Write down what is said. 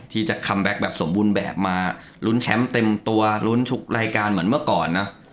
คัมแบ็คแบบสมบูรณ์แบบมาลุ้นแชมป์เต็มตัวลุ้นทุกรายการเหมือนเมื่อก่อนนะ